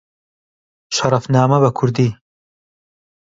شەرەفنامە بە کوردی